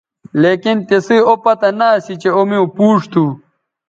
لیکن تسئ او پتہ نہ اسی چہء او میوں پوچ تھو